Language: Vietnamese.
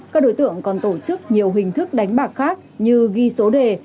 các đối tượng còn tổ chức nhiều hình thức đánh bạc khác như ghi số đề